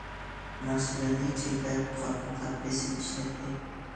ناخشىلىرىنى چەكلەپ قاتمۇ قات بېسىم ئىشلەتتى.